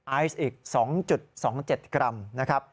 ไอซ์อีก๒๒๗กรัม